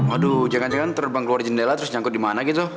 aduh jangan jangan terbang keluar jendela terus nyangkut di mana gitu